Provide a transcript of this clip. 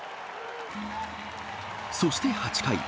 そして８回。